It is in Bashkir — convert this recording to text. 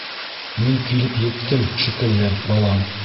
Мин килеп еттем, шикелле, балам.